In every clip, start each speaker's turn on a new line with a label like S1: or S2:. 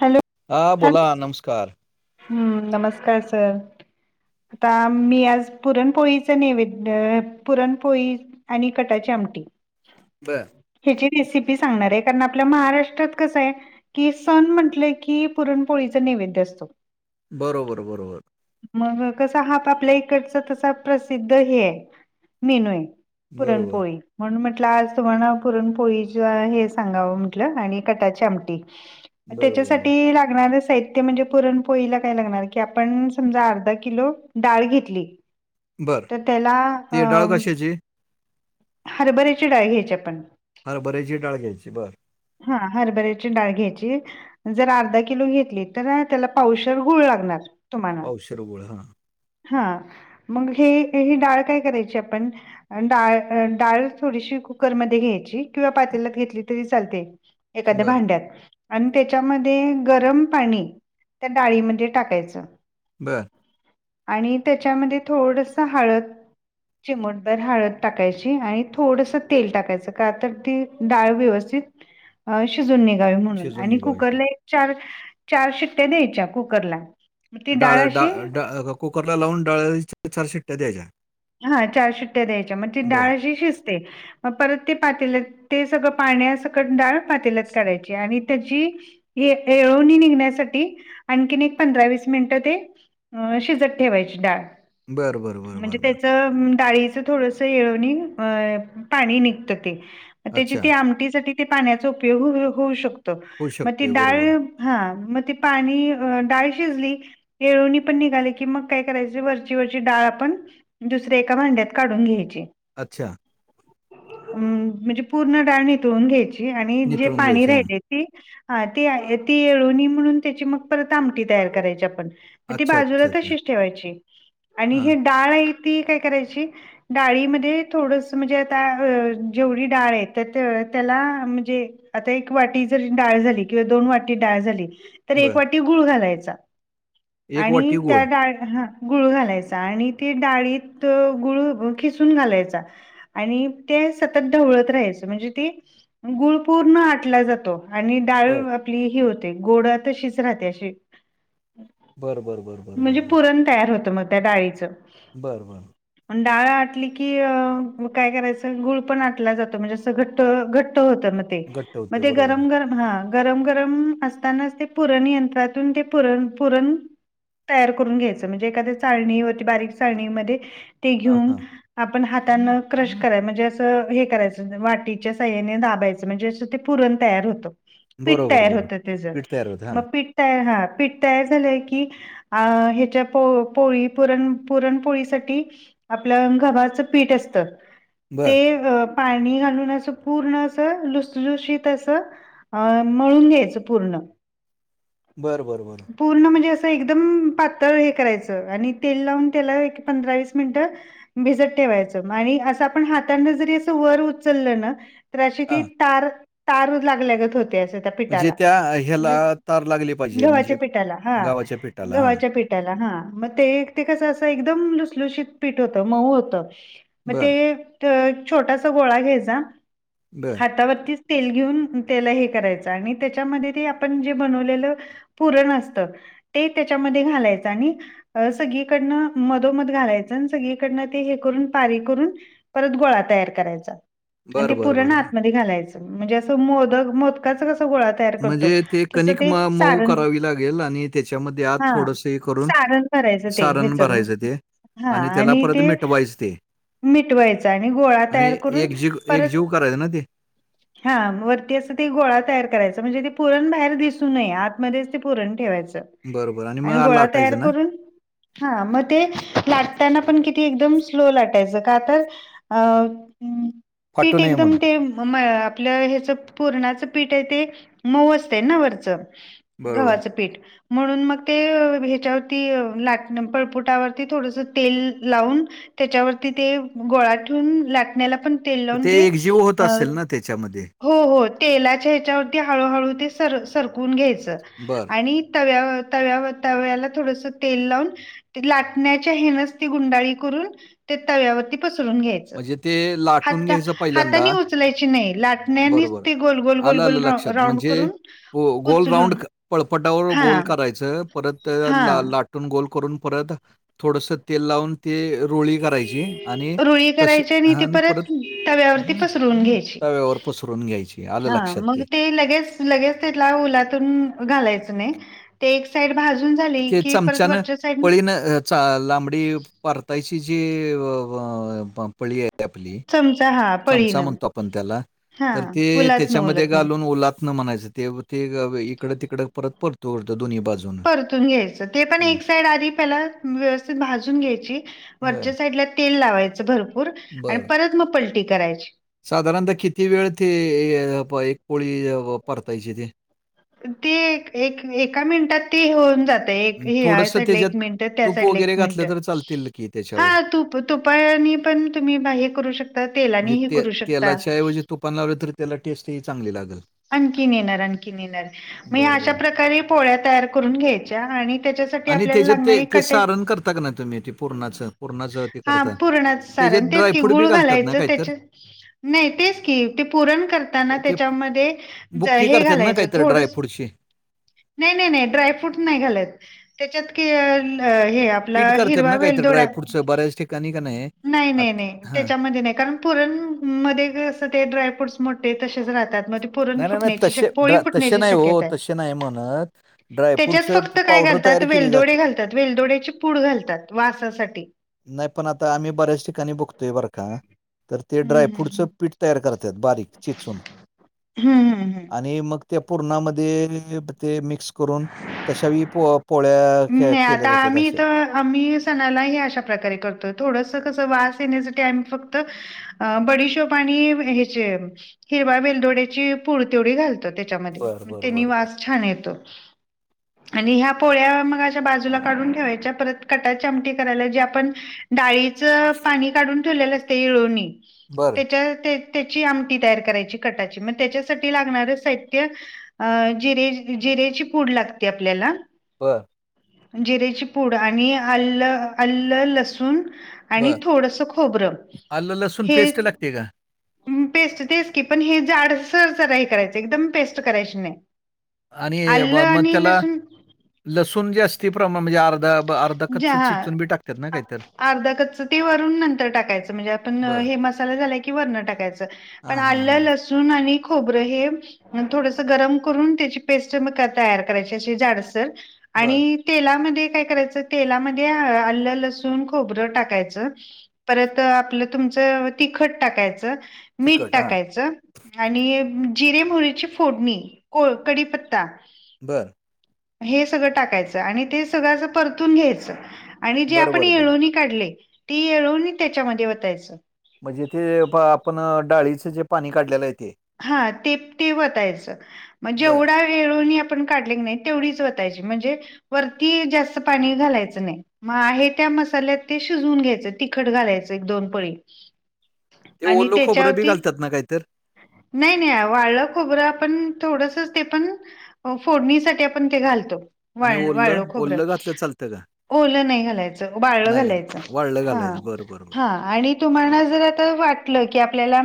S1: Hello.
S2: हा बोला नमस्कार.
S1: हम्म नमस्कार सर. आता मी आज पुरणपोळीचं नैवेद्यं, पुरणपोळी आणि कटाची आमटी.
S2: बर.
S1: ह्याची रेसिपी सांगणार आहे. कारण आपल्या महाराष्ट्रात कसं आहे की. सण म्हटलं की, पुरणपोळीचा नैवेद्य असतो.
S2: बरोबर बरोबर.
S1: मगं कसा हा आपल्या इकडचा तसा प्रसिद्ध हे आहे मेनूये.
S2: बरोबर
S1: पुरणपोळी. म्हणून म्हटलं आज तुम्हाला, पुरण पोळीच हे सांगावं म्हटलं आणि कटाची आमटी.
S2: बर बर बर
S1: त्याच्यासाठी लागणारं साहित्य, त्य म्हणजे पुरणपोळीला काय लागणार की, आपण समजा अर्धा किलो डाळ घेतली.
S2: बर
S1: तर त्याला
S2: ती डाळ
S1: अं
S2: कशाची?
S1: हरबर्याची डाळ घ्यायची आपण.
S2: हरबर्याची डाळ घ्यायची, बरं.
S1: हा हरभऱ्याची डाळ घ्यायची. जर अर्धा किलो घेतली तर, त्याला पावशर गुळ लागणार.
S2: पावशेर गुळ हा.
S1: हा मग हे ही डाळ काय करायची आपण, डाळ, डाळ थोडीशी कुकरमध्ये घ्यायची किंवा पातेल्यात घेतली तरी चालेल. चालते, एखाद्या
S2: बर
S1: भांड्यात. अन त्याच्यामध्ये गरम पाणी, त्या डाळीमध्ये टाकायचं.
S2: बरं.
S1: आणि त्याच्यामध्ये थोडसं हळद चिमटभर हळद टाकायची, आणि थोडसं तेल टाकायचं, का तर ती डाळ व्यवस्थित - शिजून निघावी म्हणून,
S2: शिजून
S1: आणि
S2: निघवायचं.
S1: कुकरला एक चार चार शिट्ट्या द्यायच्या कुकरला. ती डाळ
S2: डा
S1: अशी,
S2: डा कुकरला लावून डाळीच्या चार शिट्ट्या द्यायच्या.
S1: हा चार शिट्ट्या द्यायच्या, मग ते
S2: बर
S1: डाळ अशी शिजते. मग परत ते पातल्यात - ते सगळं पाण्यासंकट डाळ पातेल्यात काढायची आणि त्याची, येळवणी निघण्यासाठी आणखीन एक पंधरा-वीस मिनिटं ते, अं.. शिजत ठेवायची डाळ.
S2: बर.. बर.. बर.. बर.. बर.
S1: तर डाळीचं थोडसं, येळवणी अ पाणी निघतं ते. त्याची
S2: अच्छा
S1: ते आमटीसाठी ते पाण्याचा उपयोग हो होवू शकतो.
S2: होऊ
S1: मग ती
S2: शकते
S1: डाळ
S2: बरोबर
S1: हा, मग ती पाणी अं.. डाळ शिजली येळवणी पण निघाली की, मग काय करायचे? वरची-वरची डाळ आपण दुसऱ्या एका भांड्यात काढून घ्यायची.
S2: अच्छा.
S1: अम.. म्हणजे पूर्ण डाळ नितळून घ्यायची आणि जे
S2: नितळून
S1: पाणी
S2: घ्यायची हा
S1: राहिलय ती अ ती येळवणी म्हणून त्याची मग परत आमटी तयार करायची आपण. ती
S2: अच्छा
S1: बाजूला
S2: अच्छा अच्छा
S1: तशीच ठेवायची आणि
S2: हां
S1: ही डाळ आहे ती काय करायची? डाळीमध्ये थोडसं म्हणजे आता अ जेवढी डाळ आहे, त तर त्याला म्हणजे आता एक वाटी जरी डाळ झाली किंवा दोन वाटी डाळ झाली तर एक
S2: बर
S1: वाटी गुळ घालायचा
S2: एक
S1: आणि
S2: वाटी गूळ
S1: त्या डाळ हां गुळ घालायचा आणि ते डाळीत गुळ ऊगळू खिसून घालायचा आणि ते सतत ढवळत राहायचं म्हणजे ती गुळ पूर्ण आटला जातो आणि डाळी
S2: बर
S1: आपली ही होते गोड तशीच राहते अशी
S2: बरं बरं बरं बरं
S1: म्हणजे
S2: बरं बरं
S1: पुरण तयार होतं मग त्या डाळीचं.
S2: बरं बरं
S1: डाळ आटली की मग काय अ. करायचं गुळ पण आटला जातो म्हणजे असं घट्ट घट्ट होतं मग ते
S2: घट्ट होते
S1: मग ते
S2: बरोबर
S1: गरम गरम हा गरम गरम असतानाच ते पुरण यंत्रातून ते पुरण पुरण तयार करून घ्यायचं म्हणजे एखाद्या चाळणी व ती बारीक चाळणीमध्ये ते
S2: हां हां
S1: घेऊन आपण हातान क्रश कराय म्हणजे असं हे करायचं वाटीच्या साहाय्याने दाबायचं म्हणजे असं ते पुरण तयार होत पीठ
S2: बरोबर,
S1: तयार
S2: बरोबर.
S1: होत तेज
S2: पीठ तयार होतं. हां.
S1: मग पीठ तयार हा पीठ तयार झालंय की अ ह्याच्या पो पोळी पुरण पुरणपोळी साठी आपलं गव्हाच पीठ असत ते
S2: बरं.
S1: पाणी घालून असं पूर्ण असं लुसलुशीत असं अ मळून घ्यायच पूर्ण
S2: बरं बरं बरं
S1: पूर्ण म्हणजे असं एकदम पातळ हे करायचं आणि तेल लावून त्याला एक पंधरा वीस मिनिटं भिजत ठेवायचं आणि असं आपण हातांनी जरी असं वर उचललं ना तर अशी ती
S2: हां.
S1: तार तार लागल्यागत होते असं तार
S2: म्हणजे
S1: पीठाला
S2: त्या ह्याला
S1: म्हणजे
S2: तार लागली पाहिजे म्हणजे
S1: गव्हाच्या पीठाला हा
S2: गव्हाच्या पिठाला. हां.
S1: गव्हाच्या पीठ ठाला ना मग ते ते कसं असं एकदम लुसलुशीत पीठ होतं मऊ होतं मग ते
S2: बरं,
S1: ठ छोटासा गोळा घ्यायचा
S2: बरं.
S1: हातावरतीच तेल घेऊन त्याला हे करायचं आणि त्याच्यामध्ये ते आपण जे बनवलेलं पुरण असतं ते त्याच्यामध्ये घालायचं आणि सगळीकडनं मधोमध घालायचं आणि सगळीकडनं ते हे करून पारी करून परत गोळा तयार करायचा आणि ते
S2: बरं, बरं,
S1: पुरण
S2: बरं, बरं.
S1: आतमध्ये घालायचं म्हणजे असं मोदक मोदकाचं कस गोळा तयार करतो
S2: म्हणजे
S1: तसं
S2: कणिक
S1: ते
S2: म मऊ
S1: सारण..
S2: करावी लागेल आणि त्याच्यामध्ये आत
S1: हा
S2: थोडंसं हे करून
S1: सारण करायचं ते
S2: सारण
S1: ह्याच
S2: भरायचं ते
S1: हा
S2: त्याला
S1: आणि
S2: परत
S1: ते
S2: मिटवायचं ते
S1: मिटवायचं आणि गोळा
S2: आणि
S1: तयार करून
S2: एकजीव
S1: परत
S2: एकजीव करायचं ना ते?
S1: हा वरती असं ते गोळा तयार करायचं म्हणजे ते पुरण बाहेर दिसू नये आतमध्येच ते पुरण ठेवायचं
S2: बरं, बरं
S1: आणि
S2: मग
S1: गोळा तयार
S2: लाटायचं ना?
S1: करून हा मग ते ते लाटताना पण किती एकदम स्लो लाटायचं का तर, अ
S2: फाटू
S1: पीठ
S2: नये
S1: एकदम
S2: म्हणून.
S1: ते मळणार आपलं ह्याच पुरणाचं पीठ आहे ते मऊ असतय ना वरचं
S2: बरोबर.
S1: गव्हाचं पीठ म्हणून मग ते अं ह्याच्यावरती अं लाटण, पळपूट तव्या वरती थोडस तेल लावून त्याच्यावरती ते गोळा ठेवून लाटण्याला पण तेल लावून
S2: ते एक जीव होत
S1: अ
S2: असेल ना त्याच्यामध्ये?
S1: हो, हो तेलाच्या ह्याच्यावरती हळूहळू ते सर, सरकून घ्यायचं
S2: बरं.
S1: आणि तव्या, तव्यावर, तव्याला थोडस तेल लावून ते लाटण्याच्या हेनच ती गुंडाळी करून ते तव्यावरती पसरून घ्यायच.
S2: म्हणजे ते लाटून
S1: हाता,
S2: घ्यायचं
S1: हातानी
S2: पहिल्यांदा.
S1: उचलायची नाही लाट त्यानीच
S2: बरोबर.
S1: ती गोल, गोल,
S2: आलं, आलं
S1: गोल रा,
S2: लक्षात.
S1: राउंड
S2: म्हणजे
S1: करुन
S2: गो गोल राउंड
S1: उचलुन,
S2: क पळपटावर
S1: हा
S2: गोल करायचं. परत
S1: हा
S2: अं ला, लाट लाटून गोल करून परत थोडस तेल लावून ते रोळी करायची आणि
S1: रुळी करायची आणि ती परत
S2: अ,
S1: तव्यावरती पसरून घ्याची,
S2: तव्यावर पसरून घ्यायची. आलं
S1: हा
S2: लक्षात
S1: मग ते लगेच, लगेच त्याला उलातून घालायचं नाही. ते एक साईड भाजून झाली
S2: ते
S1: की परत
S2: चमच्यानं
S1: वरच्या साईड
S2: पळीनं अ, चा लांबडी परतायची जी अं, अं पळी आहे
S1: चमचा हा
S2: [unintelligible] चमचा
S1: पळीनं
S2: म्हणतो आपण त्याला
S1: हा
S2: तर ते
S1: उलतन
S2: त्याच्यामध्ये
S1: उलतन
S2: घालून ओला म्हणायचं ते ते गं इकडं तिकडं परत परतो, उरतो दोन्ही बाजून
S1: उलटून घ्यायचं ते पण आधी एक साईड तेला व्यवस्थित भाजुन घ्यायची
S2: बरं,
S1: वरच्या साइडला तेल लावायच भरपूर आणि
S2: बरं.
S1: परत मग पलटी करायची.
S2: साधारणतः किती वेळ ते ये एक पोळी परतायची ती?
S1: ते एक, एका मिनिटात ते होऊन जाते.
S2: अ,
S1: आताएक
S2: थोडंसं
S1: साइडला
S2: त्याच्यात
S1: एक मिनंट त्या
S2: तूप
S1: साइडला
S2: वगैरे
S1: एक
S2: घातलं
S1: मिनटं
S2: तर चालतील की
S1: हा,
S2: त्याच्यावर.
S1: तू प- तु तुपायाने पण तुम्ही बा हे करू शकता, तेलानी हि करू शकता.
S2: त्या ऐवजी तुपान लावले तर त्याला टेस्ट ही चांगली लागल.
S1: आणखीन येणार, आणखीन येणार म ह्या
S2: बरं,
S1: अशा
S2: बरं.
S1: प्रकारे पोळ्या तयार करून घ्यायच्या आणि त्याच्याच त त्या
S2: आणि
S1: आपल्याा
S2: त्याच्यात ते
S1: लागणारी
S2: ते
S1: कट,
S2: सारण करता का नाही तुम्ही ते पुरणाचं पुरणाचं ते
S1: हा
S2: करता.
S1: पुरणाच
S2: त्याच्यात
S1: सारण तेच की
S2: ड्रायफ्रूट बी
S1: गुळ
S2: घालतात
S1: घालायच,
S2: ना काहीतर?
S1: त्याच नाही, तेच की ते पूरण करताना
S2: ते
S1: त्याच्यामध्ये जा
S2: बुक्की
S1: हे
S2: करतात ना
S1: घालायचं
S2: काहीतरी
S1: थोडस
S2: ड्रायफ्रूटची?
S1: नाही, नाही, नाही ड्रायफ्रूट नाही घालत त्याच्यात कि अं हे आ
S2: पीठ
S1: आपलं
S2: करतात
S1: हिरवा
S2: ना काहीतरी
S1: वेलदोडा
S2: ड्रायफ्रूटचं बऱ्याच ठिकाणी का
S1: नाही,
S2: आत
S1: नाही, नाही
S2: हां.
S1: त्याच्यामध्ये नाही कारण पुरण मं मध्ये ते सगळे ड्रायफ्रूटस मोठे तसेच राहतात म पुरण
S2: नाही नाही नाही
S1: फुटण्याची
S2: तसे
S1: शक्य, पोळी
S2: ड्रा तसे
S1: फुटण्याची
S2: नाही हो
S1: शक्यता आहे,
S2: तसे नाही म्हणत
S1: त्याच्यात
S2: ड्रायफ्रूटचं
S1: फक्त फक्त काय
S2: पावडर तयार
S1: घातात
S2: केली
S1: वेलदोडे
S2: जाते
S1: घालतात, वेलदोड्याची पूड घालतात वासासाठी.
S2: नाही पण आता आम्ही बऱ्याच ठिकाणी बघतोय बरं का तर ते
S1: हम्म
S2: ड्रायफ्रूटचं
S1: हम्म
S2: पीठ तयार करतात बारीक चिचून
S1: हम्म हम्म हम्म हम्म
S2: आणि मग त्या पूर्णामध्ये हे ते मिक्स करून, तशाही पोळ्या के-
S1: नई
S2: केल्या
S1: आता
S2: जातात
S1: आम्ही
S2: असे
S1: त आम्ही सणाला ह्या अशा प्रकारे करतो, थोडंस कसं वास येण्या साठी आम्ही फक्त अं बडीशोप आणि अ ह्याचे हिरवा वेलदोड्याची पुड तेवढी घालतो त्या त्याच्यामधे
S2: बर
S1: म
S2: बर
S1: त्यानी
S2: बर बर
S1: वास छान येतो आणि ह्या पोळ्या त्या बाजूला काढून ठेवायच्या परत कटाची आमटी करायला जे आपण, डाळीचं पाणी काढून ठेवलेलं असते हिळोणी
S2: बर
S1: त्याच्या त्याची आमटी तयार करायची, कटाची. मग त्याच्यासाठी लागणार साहित्यं अं.. जिरे जिरेची पूड लागते आपल्याला
S2: बरं.
S1: जिरेची पूड आणि आलं, आलं लसूण आणि
S2: बर
S1: थोडसं खोबरं,
S2: आलं लसूण
S1: हे
S2: पेस्ट लागते का
S1: पेस्ट तेच की, पण हे जाडसर जरा हे करायचं. एकदम पेस्ट करायची नाही.
S2: आणि
S1: आल्लं
S2: म- मग
S1: आणि
S2: त्याला
S1: लसूण
S2: लसूण जास्ती प्रमाण म्हणजे, अर्धा अर्धा
S1: जे
S2: कच्चं
S1: हा
S2: चिचून बी टाकतात ना काहीतर
S1: अर्धा कच्चं ते वरून नंतर टाकायचं म्हणजे आपण
S2: बर
S1: हे मसाला झाला की वरणं टाकायचं.
S2: हा
S1: पण
S2: हा.
S1: आलं,
S2: हा
S1: लसूण आणि खोबरं हे थोडसं गरम करून, त्याची पेस्ट मग तयार करायची अशी जाडसर.
S2: बर
S1: आणि तेलामध्ये काय करायचं तेलामध्ये आल्लं, लसूण, खोबरं टाकायचं परत आपलं तुमचं तिखट टाकायचं, मीठ
S2: तिखट हा
S1: टाकायचं आणि जिरे, मोहरीची फोडणी को कडीपत्ता
S2: बर
S1: हे सगळं टाकायचं आणि ते सगळं असं परतून घ्यायचं आणि जे
S2: बरं
S1: आपण
S2: बरं बरं
S1: येळोवणी काढलंय, ते येळवणी त्याच्यामध्ये वतायचं.
S2: म्हणजे ते पा आपण डाळीचं, जे पाणी काढलेलं आहे ते.
S1: हा, ते ते वतायचं. मग
S2: बर
S1: जेवढा ते येळवणी आपण काढले का नाही, तेवढीच वतायची म्हणजे वरती जास्त पाणी घालायचं नाही. मग आहे त्या मसाल्यात ते शिजवून घ्यायचं, तिखट घालायचं एक दोन पळी
S2: ते
S1: आणि
S2: ओलं खोबरं, बी
S1: त्याच्यावरती
S2: घालतात ना काहीतर?
S1: नाही, नाही. वाळलं खोबरं आपण थोडसंच ते पण फोडणीसाठी आपण ते घालतो,
S2: आणि
S1: वाळं वाळं
S2: ओलं
S1: खोबरं.
S2: ओलं घातलं चालतं का
S1: ओलं नाही घालायचं, वाळं
S2: नाही घाल
S1: घालायचं.
S2: वाळलं
S1: हा
S2: घालायचं बरं बरं बर
S1: हा. आणि तुम्हाना जर आता वाटलं की, आपल्याला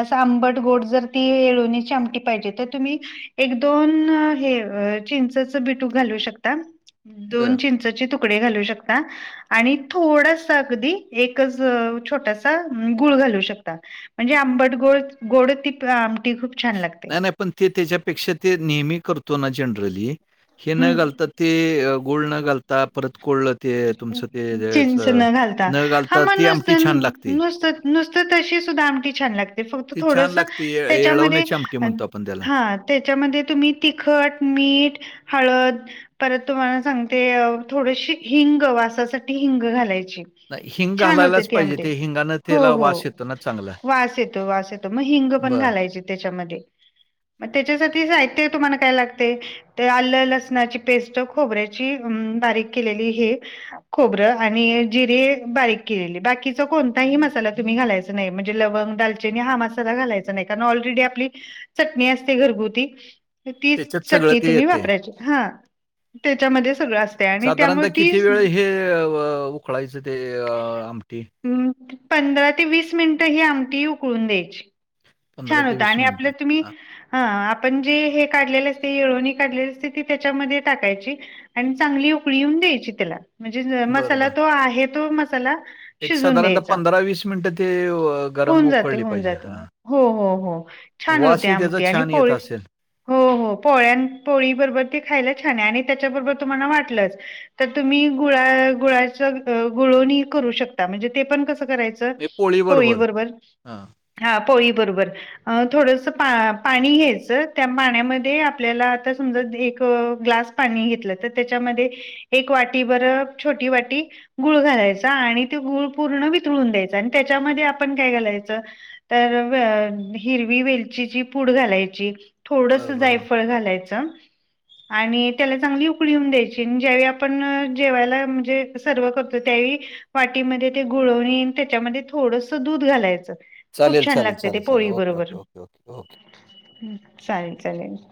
S1: असं आंबट गोड जर ती येळवणीची आमटी पाहिजे, तर तुम्ही एक दोन हे चिंचचं बिटूक घालू शकता. दोन
S2: बर
S1: चिंचाचे तुकडे घालू शकता. आणि थोडासा अगदी एकच छोटासा गुळ घालू शकता. म्हणजे आंबट-गोड, गोड ती आमटी खूप छान लागते.
S2: नाही नाही, पण ते त्याच्यापेक्षा ते नेहमी करतो ना जनरली हे
S1: हम्म
S2: न घालता ते गुळ न घालता, परत कोळं ते तुमचं ते ज
S1: चिंच न घालता
S2: न
S1: हा
S2: घालता,
S1: मग
S2: ती आमटी
S1: नुसतं
S2: छान लागते.
S1: नुसतं नुसतं तशी सुद्धा आमटी छान लागते, फक्त
S2: ती छान
S1: थोडसं
S2: लागते ये-
S1: त्याच्यामध्ये
S2: येळवण्याची आमटी म्हणतो आपण त्याला
S1: हा, त्याच्यामध्ये तुम्ही तिखट, मीठ, हळद परत तुम्हाला सांगते, थोडशी हिंग वासासाठी हिंग घालायची.
S2: नाही हिंग
S1: छान होते
S2: घालायलाच
S1: ती
S2: पाहिजे
S1: आमटी,
S2: ते हिंगानं
S1: हो
S2: त्याला
S1: हो.
S2: वास येतो ना चांगला
S1: वास येतो, वास येतो. त मग हिंग पण
S2: बर
S1: घालायचे त्याच्यामध्ये, मग त्याच्यासाठी साहित्य तुम्हाना काय लागतंय ते आलं, लसणाची पेस्ट, खोबऱ्याची अ बारीक केलेली हे खोबरं आणि जिरे बारीक केलेली, बाकीचा कोणताही मसाला तुम्ही घालायचा म्हणजे लवंग दालचिनी हा मसाला घालायचा नाही, कारण ऑलरेडी आपली चटणी असते घरगुती तीच
S2: त्याच्यात सगळं
S1: चटणी
S2: ते
S1: तुम्ही
S2: येतंय.
S1: वापरायची, हा. त्याच्यामध्येच सगळं असतंय आणि
S2: साधारणत
S1: त्यामुळे ती
S2: किती वेळ हे, उकळायचं ते आमटी.
S1: हम पंधरा ते वीस मिनिटं ही आमटी उकळून द्यायची. छान
S2: ते
S1: होत आणि
S2: मिनिटं.
S1: आपलं तुम्ही
S2: हां,
S1: हा आपण जे हे काढलेले असते येळवणी काढलेली असते ती त्याच्यामध्ये टाकायची. आणि चांगली उकळी येऊन द्यायची त्याला म्हणजे मसाला
S2: बरोबर.
S1: तो आहे तो मसाला
S2: एक
S1: शिजून
S2: साधारणतः
S1: द्यायचा
S2: पंधरा वीस मिनिटं ते गरम
S1: होऊन
S2: अ..
S1: जाते
S2: उकळली
S1: होऊन
S2: पाहिजे
S1: जाते
S2: हा.
S1: हो हो हो छान होते आमटी आणि
S2: छान येत
S1: पोळी
S2: असेल.
S1: हो हो पोळ्या अन् पोळी बरोबर ते खायला छान आहे आणि त्याच्याबरोबर तुम्हाला वाटलंच तर तुम्ही गुळा गुळाच गुळवनी करू शकता म्हणजे ते पण कसं करायचं
S2: हे
S1: पोळी
S2: पोळीबरोबर.
S1: बरोबर
S2: हां.
S1: हा पोळी बरोबर. अ थोडस पा पाणी घ्यायचं त्या पाण्यामध्ये आपल्याला आता समजा एक ग्लास पाणी घेतलं तर त्याच्यामध्ये एक वाटी बर छोटी वाटी गुळ घालायचा आणि ते गूळ पूर्ण वितळून द्यायचा आणि त्याच्यामध्ये आपण काय घालायचं तर व. हिरवी वेलचीची पूड घालायची.
S2: बरं,
S1: थोडसं
S2: बरं, बरं.
S1: जायफळ घालायचं. आणि त्याला चांगली उकळी येऊन द्यायची आणि ज्यावेळी आपण जेवायला म्हणजे सर्व करतो त्यावेळी वाटीमध्ये ते गुळवनी आणि त्याच्यामध्ये थोडसं दूध घालायचं. खूप
S2: चालेल,
S1: छान
S2: चालेल,
S1: लागते ते
S2: चालेल, चालेल.
S1: पोळी
S2: ओके,
S1: बरोबर
S2: ओके, ओके, ओके. हो.
S1: हम चालेल चालेल.